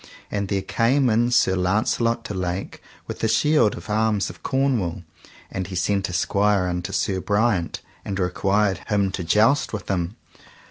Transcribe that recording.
And there came in Sir Launcelot du Lake with a shield of the arms of Cornwall, and he sent a squire unto Sir Briant, and required him to joust with him.